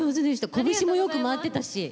こぶしもよく回ってたし。